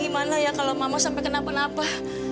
gimana ya kalau mama sampai kenapa napa